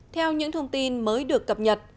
theo những thông tin mới được cập nhật